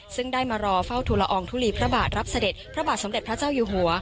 ซึ่งได้มารอเฝ้าทุลอองทุลีพระบาทรับเสด็จพระบาทสมเด็จพระเจ้าอยู่หัว